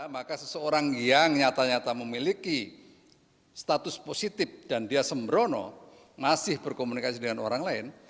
maka seseorang yang nyata nyata memiliki status positif dan dia sembrono masih berkomunikasi dengan orang lain